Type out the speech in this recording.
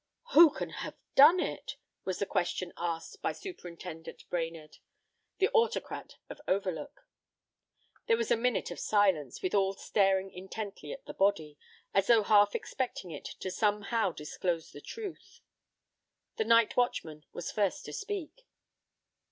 "Who can have done it?" was the question asked by Superintendent Brainerd, the autocrat of Overlook. There was a minute of silence, with all staring intently at the body, as though half expecting it to somehow disclose the truth. The night watchman was first to speak.